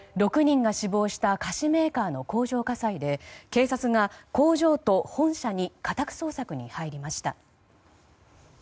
６人が死亡した菓子メーカーの工場火災で警察が工場と本社に家宅捜索に入りました。